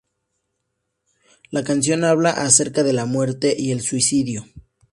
La canción habla acerca de la muerte y el suicidio.